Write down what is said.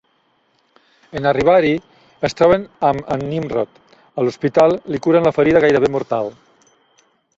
En arribar-hi es troben amb en Nimrod. A l'hospital, li curen la ferida gairebé mortal.